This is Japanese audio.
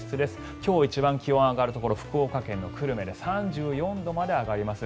今日一番気温が上がるところ福岡県の久留米で３４度まで上がります。